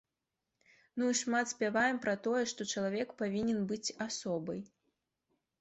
Ну і шмат спяваем пра тое, што чалавек павінен быць асобай.